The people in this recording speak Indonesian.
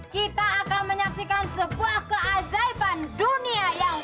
kita akan menyaksikan sebuah keajaiban dunia yang